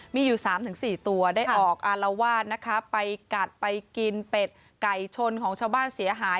มีอยู่๓๔ตัวได้ออกอารวาสนะคะไปกัดไปกินเป็ดไก่ชนของชาวบ้านเสียหาย